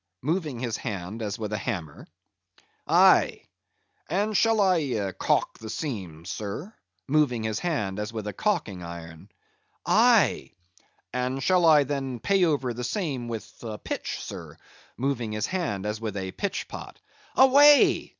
moving his hand as with a hammer. "Aye." "And shall I caulk the seams, sir?" moving his hand as with a caulking iron. "Aye." "And shall I then pay over the same with pitch, sir?" moving his hand as with a pitch pot. "Away!